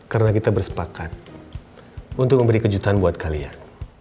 karena kita bersepakat untuk memberi kejutan buat kalian